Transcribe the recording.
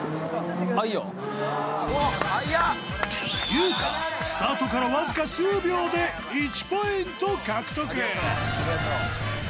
［ゆうたスタートからわずか数秒で１ポイント獲得］